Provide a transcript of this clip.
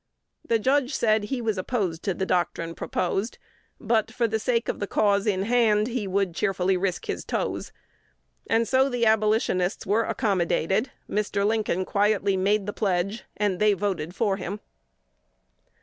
The judge said he was opposed to the doctrine proposed; but, for the sake of the cause in hand, he would cheerfully risk his "toes." And so the Abolitionists were accommodated: Mr. Lincoln quietly made the pledge, and they voted for him.